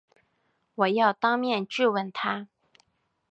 我要当面质问他